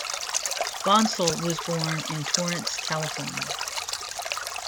Bonsall was born in Torrance, California.